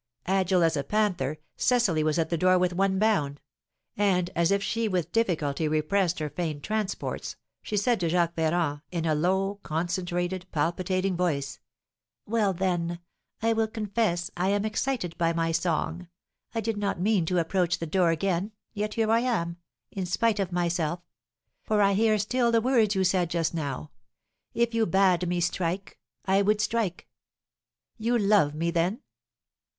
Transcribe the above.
Agile as a panther, Cecily was at the door with one bound; and, as if she with difficulty repressed her feigned transports, she said to Jacques Ferrand, in a low, concentrated, palpitating voice: "Well, then, I will confess I am excited by my song. I did not mean to approach the door again, yet here I am, in spite of myself; for I hear still the words you said just now, 'If you bade me strike, I would strike.' You love me, then?"